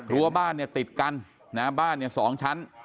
รั้วบ้านเนี่ยติดกันนะฮะบ้านเนี่ย๒ชั้น